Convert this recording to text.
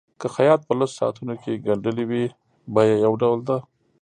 که خیاط په لسو ساعتونو کې ګنډلي وي بیه یو ډول ده.